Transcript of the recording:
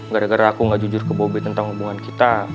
gara gara aku gak jujur ke bobi tentang hubungan kita